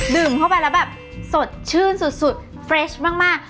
ดื่มเข้าไปแล้วแบบสดชื่นสุดสุดมากมาก